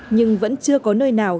nhưng vẫn chưa có lực lượng ra trường